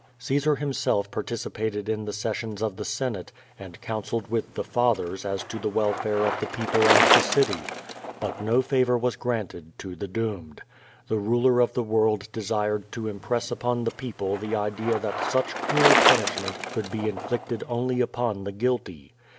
Caesar himself participated in the sessions of the Sen ate and counselled with the "Fathers" as to the welfare of the people and the city; but no favor was granted to the doomed. The ruler of the world desired to impress upon the people the idea that such cruel punishment could be infiicted only upon the guilty.